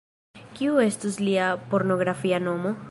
Kiu estus lia pornografia nomo?